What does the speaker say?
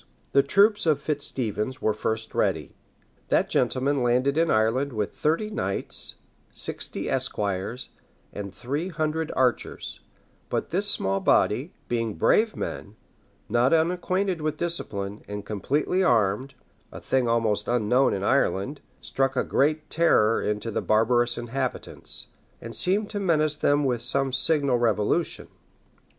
The troops of Fitz Stephens were first ready. That gentleman landed in Ireland with thirty knights, sixty esquires, and three hundred archers; but this small body, being brave men, not unacquainted with discipline, and completely armed, a thing almost unknown in Ireland, struck a great terror into the barbarous inhabitants, and seemed to menace them with some signal revolution.